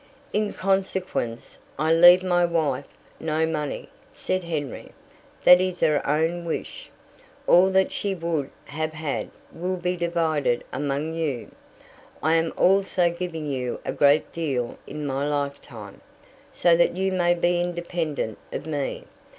"In consequence, I leave my wife no money," said Henry. "That is her own wish. All that she would have had will be divided among you. I am also giving you a great deal in my lifetime, so that you may be independent of me.